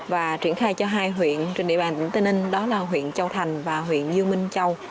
và triển khai cho hai huyện trên địa bàn tỉnh tây ninh đó là huyện châu thành và huyện như minh châu